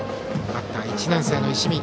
バッターは１年生の石見。